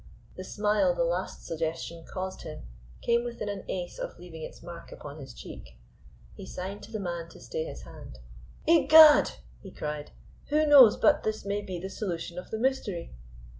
The smile the last suggestion caused him came within an ace of leaving its mark upon his cheek. He signed to the man to stay his hand. "Egad!" he cried, "who knows but this may be the solution of the mystery?